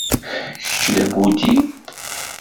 Kečč d abudi?